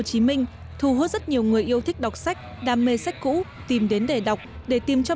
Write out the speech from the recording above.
hồ chí minh thu hút rất nhiều người yêu thích đọc sách đam mê sách cũ tìm đến để đọc để tìm cho